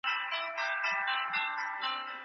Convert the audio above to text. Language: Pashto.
د لویې جرګي په ترڅ کي عام افغانان څه احساس کوي؟